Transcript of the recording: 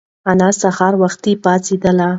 انا سهار وختي پاڅېدله.